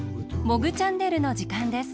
「モグチャンネル」のじかんです。